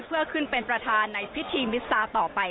เพื่อขึ้นเป็นประธานในพิธีมิสซาต่อไป